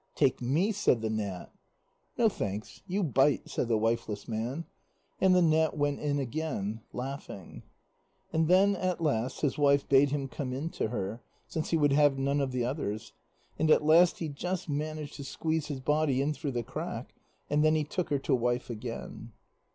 "Take me," said the gnat. "No thanks, you bite," said the wifeless man. And the gnat went in again, laughing. And then at last his wife bade him come in to her, since he would have none of the others, and at last he just managed to squeeze his body in through the crack, and then he took her to wife again.